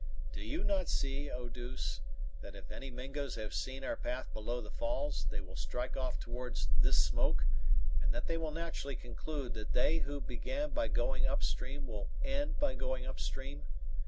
Do you not see, Eau douce, that if any Mingos have seen our path below the falls, they will strike off towards this smoke, and that they will naturally conclude that they who began by going up stream will end by going up stream.